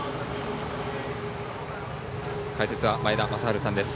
解説は前田正治さんです。